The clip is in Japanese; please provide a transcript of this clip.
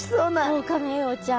オオカミウオちゃん。